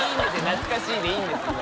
「懐かしい」でいいんですもう。